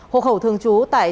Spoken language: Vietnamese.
hộ hậu thường trú tại